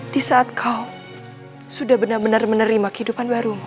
di saat kau sudah benar benar menerima kehidupan barumu